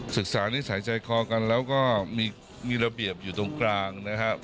ศึกษานิสัยใจคอกันแล้วก็มีระเบียบอยู่ตรงกลางนะครับ